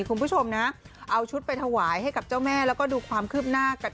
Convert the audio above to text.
คุณผู้ชมนะเอาชุดไปถวายให้กับเจ้าแม่แล้วก็ดูความคืบหน้ากัน